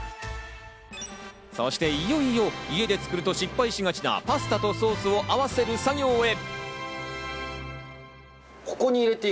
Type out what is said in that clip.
そしていよいよ家で作ると失敗しがちなパスタとソースを合わせる作業へ。